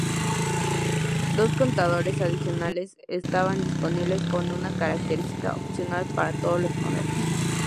Dos contadores adicionales estaban disponibles como una característica opcional para todos los modelos.